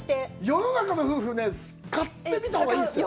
世の中の夫婦、買ってみたほうがいいですよ。